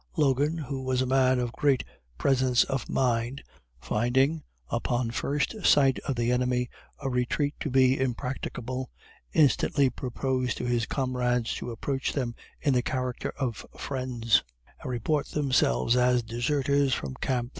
Logan, who was a man of great presence of mind, finding, upon first sight of the enemy, a retreat to be impracticable, instantly proposed to his comrades to approach them in the character of friends, and report themselves as deserters from camp No.